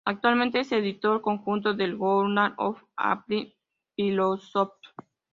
Actualmente es editor conjunto del "Journal of Applied Philosophy".